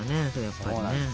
やっぱりね。